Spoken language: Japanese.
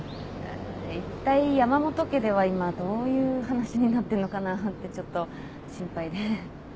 いったい山本家では今どういう話になってんのかなってちょっと心配で。